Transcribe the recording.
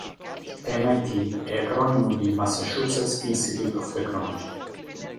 M.I.T è acronimo di Massachusetts Institute of Technology.